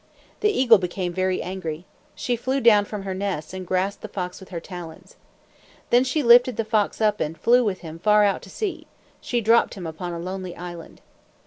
The eagle became very angry. She flew down from her nest and grasped the fox with her talons. Then she lifted the fox up and flew with him far out to sea. She dropped him upon a lonely island.